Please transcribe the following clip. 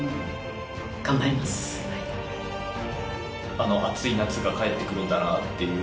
あのアツい夏が帰って来るんだなっていう。